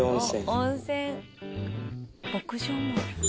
温泉牧場もある。